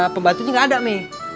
pembantunya ga ada mi